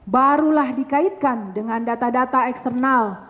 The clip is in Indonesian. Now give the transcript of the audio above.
barulah dikaitkan dengan data data eksternal